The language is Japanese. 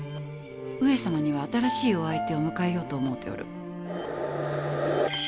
上様には新しいお相手を迎えようと思うておる。